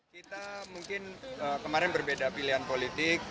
kita mungkin kemarin berbeda pilihan politik